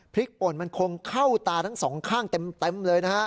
พิกปลมันคงเข้าตาทั้งสองข้างเต็มเลย